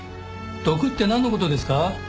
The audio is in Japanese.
毒ってなんの事ですか？